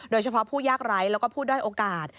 โดยเฉพาะผู้ยากไร้แล้วก็ผู้ด้อยโอกาส